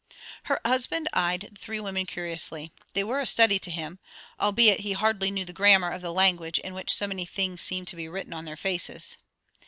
Her husband eyed the three women curiously. They were a study to him, albeit he hardly knew the grammar of the language in which so many things seemed to be written on their faces.